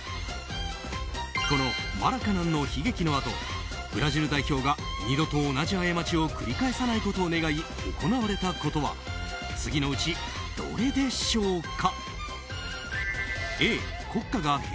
このマラカナンの悲劇のあとブラジル代表が二度と同じ過ちを繰り返さないことを願い行われたことは次のうちどれでしょうか。